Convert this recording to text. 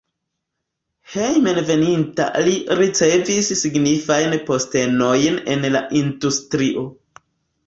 Hejmenveninta li ricevis signifajn postenojn en la industrio.